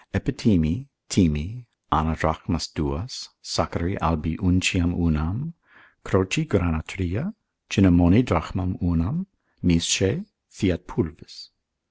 Epithymi, thymi, ana drachmas duas, sacchari albi unciam unam, croci grana tria, Cinamomi drachmam unam; misce, fiat pulvis.